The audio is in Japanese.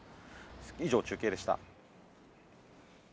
以上、中継でした。